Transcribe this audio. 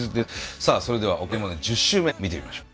さあそれでは「おかえりモネ」１０週目見てみましょう。